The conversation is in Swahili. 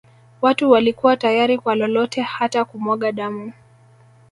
Watu walikuwa tayari kwa lolote hata kumwaga damu